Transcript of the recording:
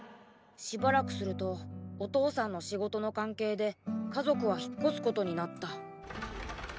しばらくするとお父さんの仕事の関係で家族は引っ越すことになった。